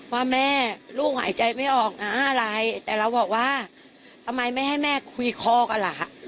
ว่าแม่ลูกหายใจไม่ออกนะอะไรแต่เราบอกว่าทำไมไม่ให้แม่คุยคอกันล่ะ